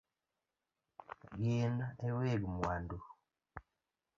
Gin e weg mwandu